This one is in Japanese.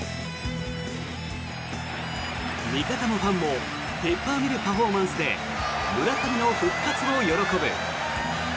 味方もファンもペッパーミルパフォーマンスで村上の復活を喜ぶ。